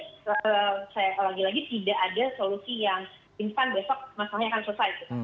tapi lagi lagi tidak ada solusi yang instan besok masalahnya akan selesai